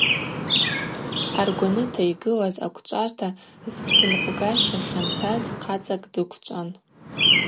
Аргваныта йгылаз аквчӏварта зпсыпнкъвгаща хьантаз хъацӏакӏ дыквчӏван.